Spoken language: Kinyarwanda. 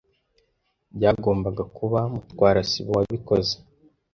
Byagombaga kuba Mutwara sibo wabikoze.